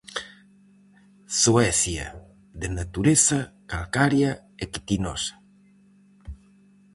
Zoecia de natureza calcaria e quitinosa.